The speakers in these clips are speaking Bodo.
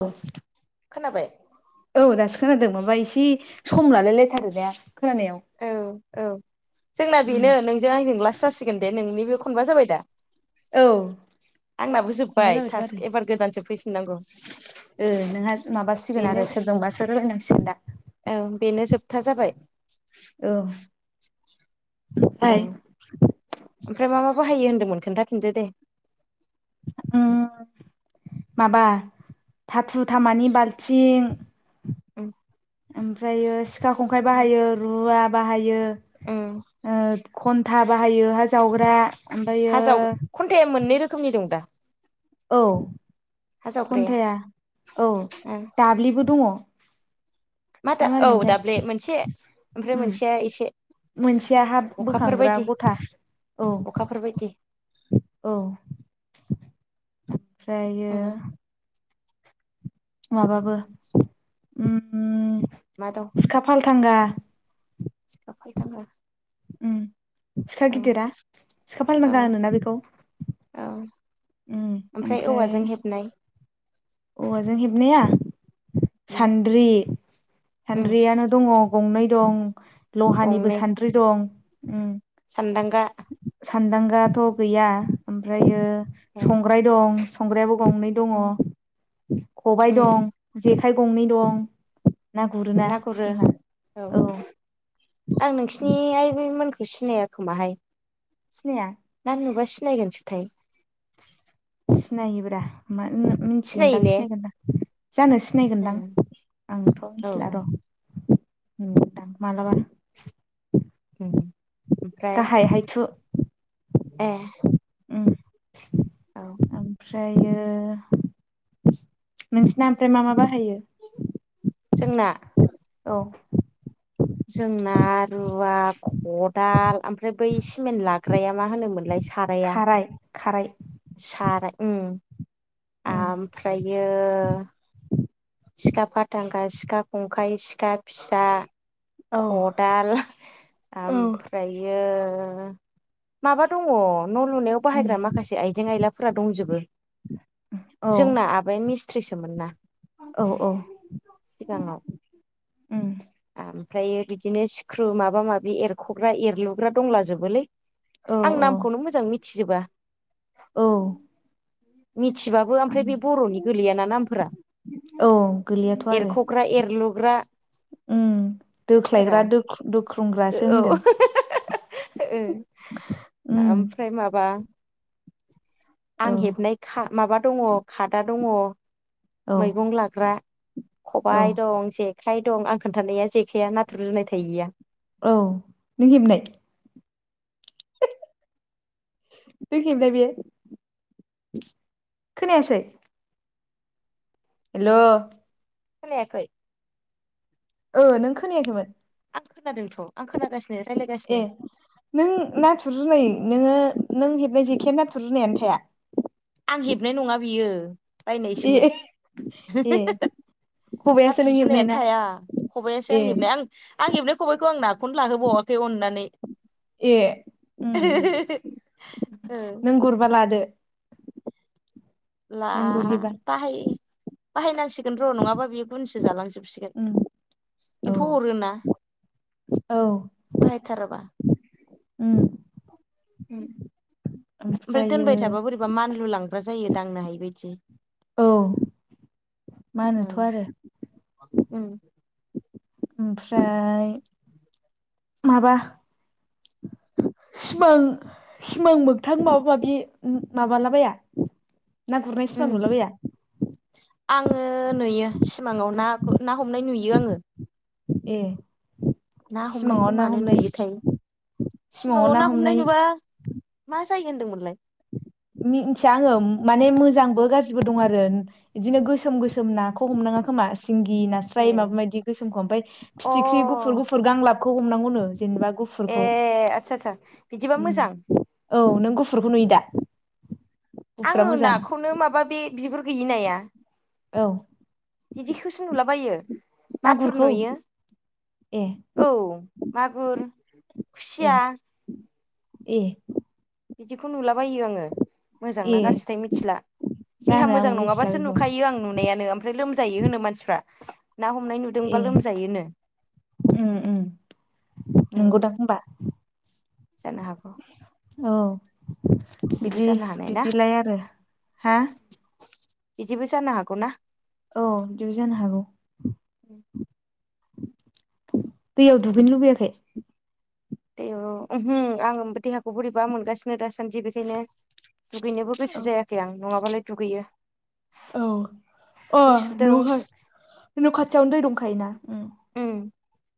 औ। खोनाबाय? दासो खोनादों माबा इसे सम लानो लायथारो जा औ औ जोंना बेनो नोंजों आंजों लास जासिगोन दे नोंनि बे खनबा जाबाय दा। औ आंनाबो हमबा जोब्बाय जाबायथ' आरो थास्क एबार गोदानसो फैफिननांगौ। ओ नोंहा माबासिगोन आरो सोरजोंबासो रालायनांसिगोन दा। ओं बेनो जोबथा जाबाय। औ औ हाय ओमफ्राय मा मा बाहायो होनदोंमोन खोन्थाफिनदो दे? उम माबा थाथु थामानि बाल्थिं ओम। ओमफ्रायो सिखा खंखाइ बाहायो रुवा बाहायो उम ओ खन्था बाहायो हा जावग्रा ओमफ्रायो हाजाव खन्थाया मोननै रोखोमनि दं दा? औ हा जावग्राया खन्थाया औ ओं दाब्लिबो दङ। मा ना दा औ मारैमोनथाय दाब्ले मोनसे ओमफ्राय उम मोनसेया एसे मोनसेया हा अखाफोर बोखांग्रा बायदि गथा। औ। औ अखाफोर बायदि उम ओमफ्रायो माबाबो ओम सिखा खाफालथांगा सिखा फालथांगा उम सिखा गिदिरा सिखा फालथांगा औ होनोना बेखौ औ उम ओमफ्राय औवाजों हेबनाय औवाजों हेबनाया उम सानद्रि उम सानद्रियानो दङ। गंनै दं लहानिबो सान्द्रि दं ओम सान्दांगा सान्दांगाथ' गैया ओमफ्रायो ए संग्राय दं संग्रायाबो गंनै दङ खबाइ दं उम जेखाइ गंनै दं। ना गुरोना ना गुरो जोंहा। औ। आं नोंसिनि आइ बे मोनखौ सिनाया खोमाहाय सिनाया? ना नुबा सिनायगोनसोथाय सिनायोब्रा मा नों सिनायो मिथिगोनदां ने सिनायगोनदां जानो ओ सिनायगोनदां आंथ' औ मिथिला र' नुदोंदां मालाबा ओम ओमफ्राय गाहाय हायथु ए उम औ ओमफ्रायो नोंसिना ओमफ्राय मा मा बा जोंना औ जोंना रुवा खदाल ओमफ्राय बै सिमेन्ट लाग्रा या मा होनोमोनलाय खाराय खाराय सारा ओम उम आमफ्रायो सिखा फाथांगा सिखा खंखाइ सिखा फिसा औ खदाल औ आमफ्रायो माबा दङ न' लुनायाव उम बाहायग्रा माखासे आइजें आयलाफोरा दंजोबो औ जोंना आबाया मिस्थ्रिसोमोन ना औ औ सिगाङाव उम ओम ओमफ्रायो बिदिनो सिख्रु माबा माबि एरख'ग्रा एरलुग्रा दंलाजोबोलै औ आं औ नामखौनो मोजां मिथिजोबा औ मिथिबाबो उम ओमफ्राय बे बर'नि गोलैयाना नामफोरा औ गोलैयाथ' आरो एरख'ग्रा एरलुग्राफोरा उम दोख्लायग्रा दोख्रोंग्रासो होनगोन ओह उम ओमफ्राय माबा औ आं हेबनाय खा माबा दङ खादा दङ औ मैगं लाग्रा औ खबाइ दं जेखाइ दं आं खोनथानाया जेखाइआ नाथुर जुनाय थायैया औ नों हेबनाय हे हे नों हेबनाय बियो खोनायासै हेल' खोनायाखै ओ नों खोनायाखैमोन आं खोनादोंथ' आं खोनागासिनो रायलायगासिनो ए नों नाथुर जुनाय नोङो नों हेबनाय जेखा नाथुर जुनायानो थाया आं हेबनाय नङा बियो ए बायनायसोमोन हो ए हो हो खबायासो नाथुर नों हेबनाय जुनायानो ना थाया खबाइआसो ए आं हेबनाय आं आं हेबनाय खबाइखौ आं बेखौनो लाहोबावाखै अननानै ए उम ओ नों गुरबा लादो। ला नों गुरहैबा बाहाय बाहायनांसिगोन र' नङाबा बेयो गुनसो जालांजोब सिगोन उम औ एम्फौ अरो ना। औ उम उम ओमफ्राय ओमफ्रायो दोनबाय थाब्ला बैरैबा मानलु लांग्रा जायो दांनो हायै बादि औ औ मानोथ' आरो उम ओमफ्राय माबा [inaudible] सिमां सिमां मोगथां माबा माबि माबालाबाया ना गुरनाय सिमां उम नुलाबाया आङो नुयो सिमाङाव ना गु ना हमनाय नुयो आङो ए। ना सिमाङाव हमनायखौ ना मानो हमनाय नुयोथाय सिमाङाव ना हमनाय नुबा मा जायो होनदोंमोनलाय? मिथिया आङो माने मोजांबो गाज्रिबो दं आरो बिदिनो गोसोम गो सोम नाखौ हमनाङा खोमा सिंगि ए नास्राय माबा मायदि गोसोमखौ ओमफ्राय अ फिथिख्रि गुफुर गुफुर गांलाब खौ हमनांगौनो जेनेबा ए गुफुरखौ आदसा आदसा बिदिबा उम मोजां औ नों गुफुरखौ नुयो दा? गुफुरा आङो मोजां नाखौनो माबा बे बिबुर गैयि नाया औ बिदिखौसो नुलाबायो। नाथुर मागुरखौ नुयो ए औ मागुर ए खुसिया ए। बिदिखौ नुलाबायो आङो ए मोजांना गाज्रिथाय मिथिला। देहा जानो मोजां आंबो मिथिला नङाबासो बेखौ नुखायो आं नुनायानो ओमफ्राय लोमजायो होनो मानसिफ्रा। ना हमनाय नुदोंबा ए लोमजायोनो उम उम। नंगौ उम दां होनोमबा। जानो हागौ। औ बिदिबो बिदि जानो हानाय ना बिदिलाय आरो हा? बिबो जानो हागौ ना? औ बिबो जानो हागौ! [inaudible] दैयाव दुगैनो लुबैयाखै दे ओ ओहु आं देहाखौ बोरैबा मोनगासिनो दासान्दि बेखायनो दुगैनोबो औ गोसो जायाखै आं नङाबालाय दुगैयो। औ अ जि सुदों नुह न' खाथियावनो दै दंखायोना। उम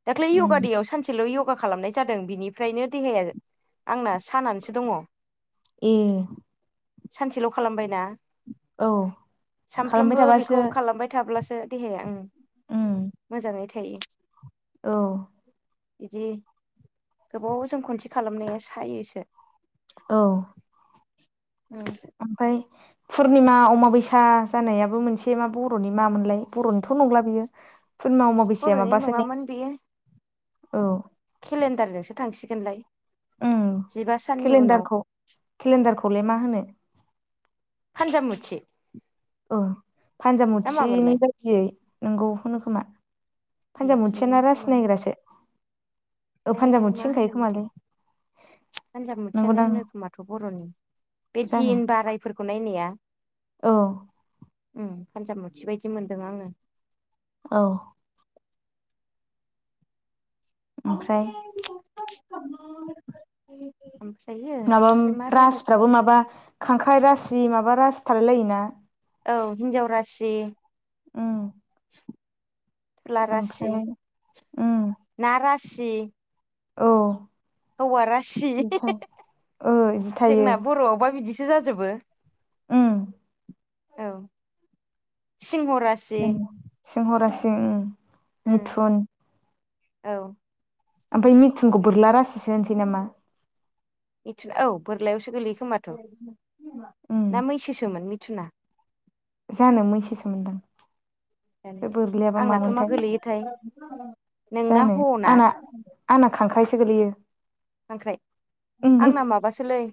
दाख्लै उम योगा दैयाव सानसेल' यो गा खालामनाय जादों बिनिफ्रायनो देहाया आंना सानानानैसो दङ'। ए। सानसेल' खालामबायना औ खालामबाय सानफ्रोमबो थाबासो बेखौ खालामबाय थाब्लासो देहाया ओं उम मोजाङै थायो। औ। बिदि गोबाव जों खनसे खालामनाया सायोसो। औ ओमफ्राय पुर्निमा अमाबैसा जानायाबो मोनसे मा बर'नि माोनलाय बर'निथ' नंला बियो फुर्निमा अमाबैसा बर'नि माबासो ने नङामोन बेयो औ केलेन्डारजोंसो थांसिगोनलाय उम जिबा साननि उनाव केलेन्डारखौ केलेन्डारखौलाय मा होनो? फानजामुथि ओं ना फानजामुथिनि मामोनलाय बायदियै नोंगौ होनो खोमा! फान्जामुथि यानो‌ बिदिनोमोन रासि खोमाहाय नायग्रासो ओ फानजामुथि होनखायो खोमालोय! फानजाब मुथियानो होनो खोमाथ' बरनि बे जानो दिन बारायफोरखौ नायनाया। औ। उम फानजामुथि बायदि मोनदों आङो। औ। ओमफ्राय ओमफाय माबा मा रासिफ्राबो माबा खांख्राइ रासि माबा रासि थालाय लायो ना? औ हिन्जाव रासि उम। [inaudible] थुला रासि ना ओमफ्राय उम रासि, [inaudible] ना रासि औ। हौवा रासि बिदि ओ बिदि [inaudible] थायो जोंना बर आवबा बिदिसो जाजोबो। उम। औ [inaudible] सिंह रासि। जों सिंह रासि उम उम मिथुन औ। ओमफ्राय मिथुनखौ बोरला रासिसो होनसै नामा? मिथुन औ बोरलायावसो गोलैयो खोमाथ' उम ना मैसोसोमोन मि मिथुना? जानो मैसो सोमोन्दां। जानो बे बोरलायाबा आंनाथ' मा मामोनथाय गोलैयोथाय [inaudible] नोंना जानो हना आना आंना खांख्राइसो गोलैयो। खांख्राय उम आंना माबासोलै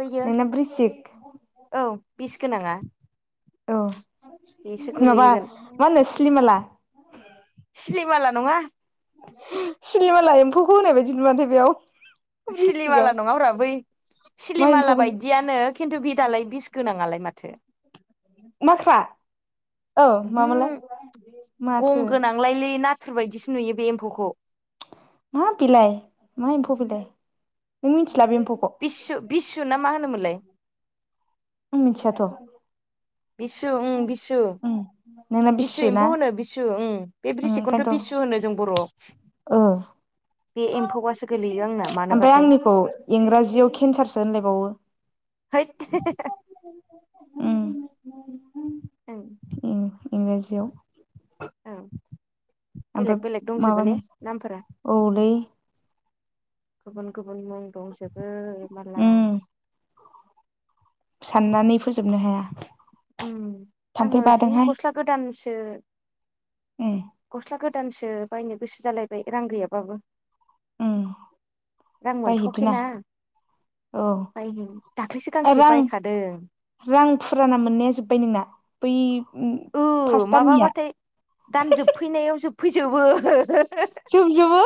बैयो नोंना बृसिक [inaudible] औ बिस गोनाङा औ बेसो [inaudible] माबा गोलैगोन मा होनो सिलिमाला। सिलिमाला नङा। सिलिमाला एम्फौखौ होनाय बायदि नुवानथाय बेयाव। बृसिकआव सिलिमाला नङाब्रा बै मा सिलिमाला एम्फौमोन बायदियानो खिन्थु बे दालाय बिस गोनाङालाय माथो। माख्रा औ [inaudible] उमहु मामोनलाय गं माथो गोनांलायलै ना थुर बायदिसो नुयो बे एम्फौखौ। मा बिलाय मा एम्फौ बिलइ नों मिथिला बे एम्फौखौ? बिस्वु ना मा होनोमोनलाय? आं मिथियाथ'। बिस्वु उं बिस्वु। नोंना बिसु ना एम्फौ होनो बिसु ओं बे उम ब्रिसिकखौनोथ ओंखायनोथ' बिसु होनो जों बर'आव। ओ। बे एम्फौआसो गोलैयो आंना [inaudible] ओमफ्राय मानोबाथाय आंनिखौ इंराजियाव केन्सारसो होनलायबावो। हैद [unintelligible] [inaudible] उम ओं। उम इंराजियाव? औ [inaudible] बेलेग ओमफाय बेलेग दंजोबो ने माबानि नामफोरा औलै। गुबुन गुबुन मुं दंजोबो उम मालाय। ‌ साननानै फोजोबनो हाया। उम थाम्फै आङो जि गस्ला गोदानसो ए। गस्ला गोदानसो बायनो गोसो जालायबाय रां गैयाबाबो। [inaudible] उम रां बायहैदिना मोनथ'वाखैना। औ बायनो दाख्लैसो गांसे रां बायखादों। रां फुराना मोननाया जोबबाय नोंना बै औ फास दाननिया माबाबाथाय दान जोबफैनायाव जोबफैजोबो। जोबजोबो?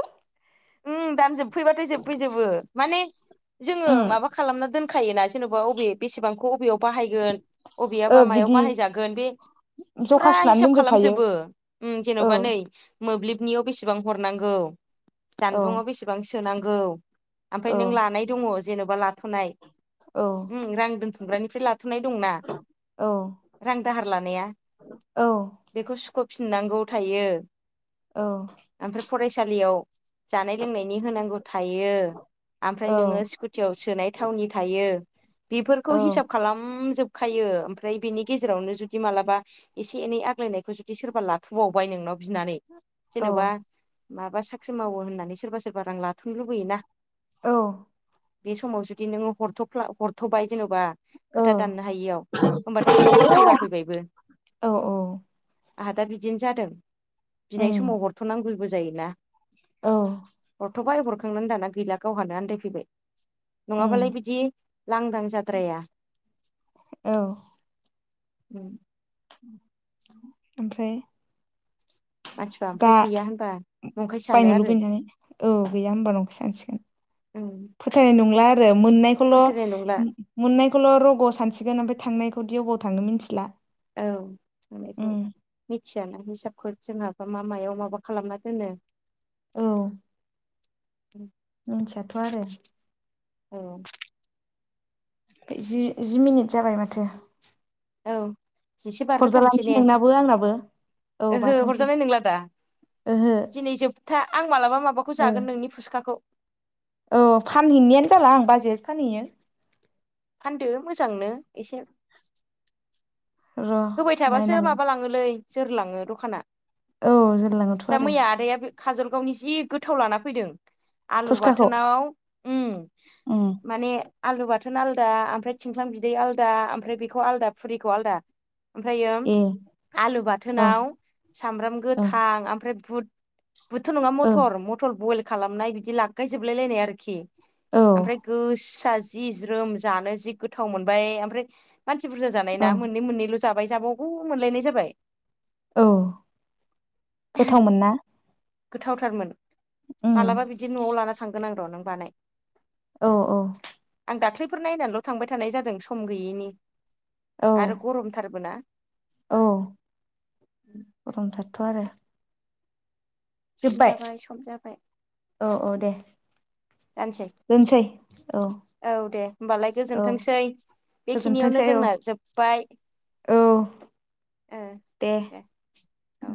उ दान जोबफैबाथाय जोबफैजोबो माने जोङो उम माबा खालामना दोन दोनखायोना जेनेबा बबे बेसेबांखौ बबेयाव बाहायगोन ओ अबेयाबा मायाव बिदि बाहायजागोन बे फुरा जखा सुनानै हिसाब दोनजोबखायो खालामजोबो उम औ जेन'बा नै मोब्लिबनियाव बेसेबां हरनांगौ औ जानबुंआव बेसेबां सोनांगौ। ओमफ्राय औ नों लानाय दङ जेन'बा लाथ'नाय औ उम रां दोनथुमग्रानिफ्राय लाथ'नाय दंना औ रां दाहार लानाया। औ। सुखु फिननांगौ थायो। औ ओमफ्राय फरायसालियाव जानाय लोंनायनि होनांगौ थायो। ओमफ्राय नोङो स्कुटियाव सोनाय थावनि थायो बेफोरखौ औ हिसाब खालामजोब खायो ओमफ्राय बेनि गेजेरावनो जुदि मालाबा एसे एनै आग्लायनायखौ जुदि सोरबा लाथुबावबाय नोंनाव बिनानै जेनेबा माबा साख्रि मावो होननानै सोरबा सोरबा रां लाथ'नो लुबैयोना। औ बे समाव जुदि नोङो हरथ'फला हरथ'बाय जेन'बा। औ खोथा दाननो हायियाव होमबाथाय नोंहा खस्थ' जाफैबायबो। औ औ आंहा दा बिदिनो जादों, बिनाय उम समाव हरथ'नांगौबो जायोना। औ हरथबाय हरखांनानै दाना गैला गावहानो आनन्दायफैबाय। नङाबालाय उम बिदि लांदां जाद्राया। औ उम ओमफ्राय मानसिफ्रा दा ओमफ्राय गैया होनबा नंखाय सानो बायनो आरो लुबैनानै औ गैया हबा नंखौ सानसिगोन। उम फोथायनाय नंला आरो मोननायखौल' फोथायनाय नंला मोननायखौल' रग' सानसिगोन ओमफ्राय थांनायखौ दि ओबाव थाओ मिथिला। औ आं बेखौ उम मिथियाना हिसाबखौ जोंहा। बा मा मायाव माबा खालामना दोनो। औ उम मिथियाथ' आरो औ जि जि मिनिट जाबाय माथो। औ जिसे बारहो थारनिसै हरजालानोसै ने नोंनाबो आंनाबो औ ओहो बाथारनोसै हरजानाय नंला दा। ओहो दिनै जोबथा आं मालाबा माबाखौ जागोन ओ नोंनि फुसखाखौ। औ फानहैनायानो जाला आं बाजैयासो फानहैयो। फानदो मोजांनो एसे र' होबाय थाबासो नायनांगोन माबा लाङोलै जोरलाङो दखाना। औ जोंलाङावथ' जा आरो। मैया आदाया बे काजलगावनि जि गोथाव लाना फैदों आलु फुसखाखौ बाथोनाव उम। उम माने आलु बाथोन आलदा ओमफ्राय थिंख्लां बिदै आलदा ओमफ्राय बेखौ आलदा फुरिखौ आलादा। ओमफ्रायो उम ए आलु औ बाथोनाव सामब्राम औ गोथां ओमफ्राय बुद बुदथ' नङा औ मटर मटर बयल खालामनाय बिदि लागगायजोबलाय लायनाय आरोखि। औ ओमफ्राय गोसा जि ज्रोम जानो जि गोथाव मोनबाय ओमफ्राय मानसि बुरजा जानाय औ ना मोननै मोननैल' जाबाय जाबावगौ मोनलायनाय जाबाय। औ गोथावमोन ना। गोथावथारमोन उम मालाबा बिदि न'आव लाना थांगोन आं र' नों बानाय औ औ आं दाख्लैफोर नायनानैल' थांबाय थानाय जादों सम गैयिनि औ आरो गर औ गरमथारथ'आरो। सम जोबबाय जाबाय सम औ औ दे। जानोसै दोनसै औ दे होनोमबालाय औ गोजोनथोंसै। बेखिनियावनो गोजोनथोंसै औ जोंना जोब्बाय औ। ओ दे औ